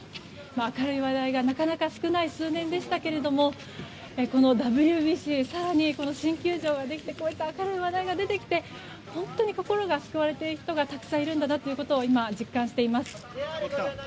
明るい話題がなかなか少ない数年でしたがこのＷＢＣ、更に新球場ができてこうやって明るい話題が出てきて本当に心が救われている人がたくさんいるんだなと今、実感しています。